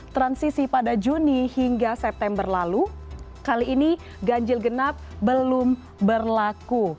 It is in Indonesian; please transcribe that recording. transisi pada juni hingga september lalu kali ini ganjil genap belum berlaku